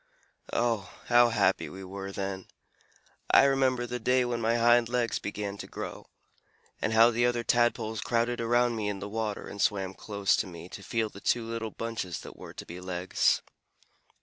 "Oh, how happy we were then! I remember the day when my hind legs began to grow, and how the other Tadpoles crowded around me in the water and swam close to me to feel the two little bunches that were to be legs.